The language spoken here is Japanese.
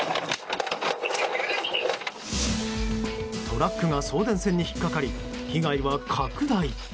トラックが送電線に引っ掛かり被害は拡大。